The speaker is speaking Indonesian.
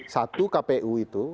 satu kpu itu